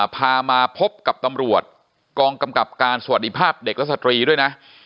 พามาพบกับตำรวจกองกำกับการสวัสดีภาพเด็กและสตรีด้วยนะ